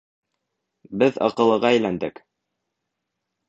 Беҙ аҡыллыға әйләндек.